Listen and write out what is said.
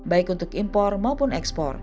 baik untuk impor maupun ekspor